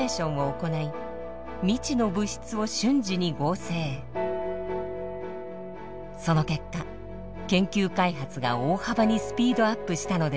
その結果研究開発が大幅にスピードアップしたのです。